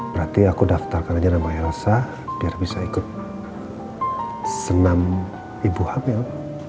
berarti aku daftarkan aja nama erasa biar bisa ikut senam ibu hamil